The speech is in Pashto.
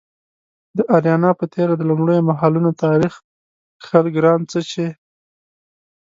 د اریانا په تیره د لومړیو مهالونو تاریخ کښل ګران څه چې